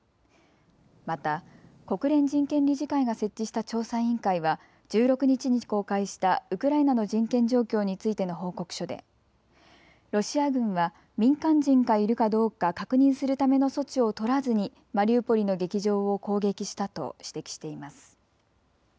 また国連人権理事会が設置した調査委員会は１６日に公開したウクライナの人権状況についての報告書でロシア軍は民間人がいるかどうか確認するための措置を取らずにマリウポリの劇場を攻撃したと指摘しています。